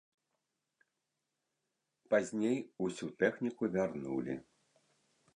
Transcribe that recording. Пазней усю тэхніку вярнулі.